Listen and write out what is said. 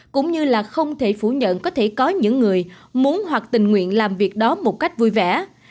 cũng như là không thể phủ nhận có thể có những người muốn hoặc tình nguyện làm việc đó một cách vui vẻ